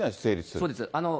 そうです。